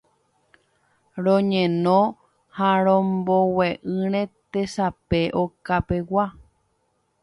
Roñeno ha rombogue'ỹre tesape okapegua